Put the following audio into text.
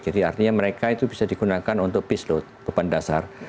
jadi artinya mereka itu bisa digunakan untuk base load beban dasar